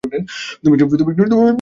তুমি একটু বেশি দেরি করছো।